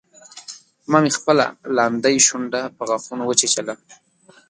ما مې خپله لاندۍ شونډه په غاښونو وچیچله